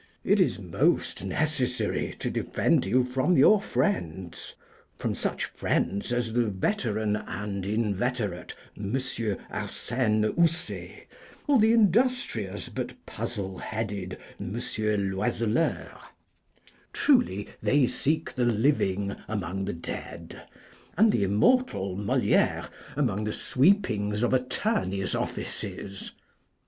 It is most necessary to defend you from your friends from such friends as the veteran and inveterate M. Arséne Houssaye, or the industrious but puzzle headed M. Loiseleur. Truly they seek the living among the dead, and the immortal Moliére among the sweepings of attorneys' offices.